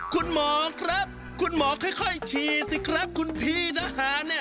คุณหมอครับคุณหมอค่อยฉี่สิครับคุณพี่ทหารเนี่ย